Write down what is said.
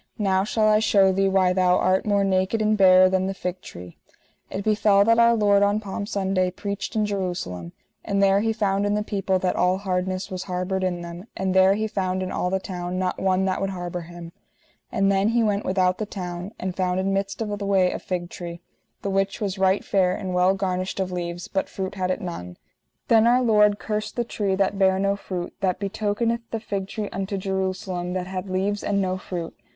Now shall I shew thee why thou art more naked and barer than the fig tree. It befell that Our Lord on Palm Sunday preached in Jerusalem, and there He found in the people that all hardness was harboured in them, and there He found in all the town not one that would harbour him. And then He went without the town, and found in midst of the way a fig tree, the which was right fair and well garnished of leaves, but fruit had it none. Then Our Lord cursed the tree that bare no fruit; that betokeneth the fig tree unto Jerusalem, that had leaves and no fruit.